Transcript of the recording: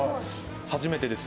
初めてです。